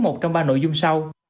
một trong ba nội dung sau